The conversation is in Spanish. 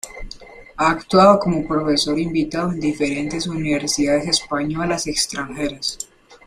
Ha actuado como profesor invitado en diferentes universidades españolas extranjeras.